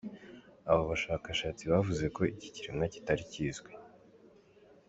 Aba bashakashatsi bavuze ko iki kiremwa kitari kizwi.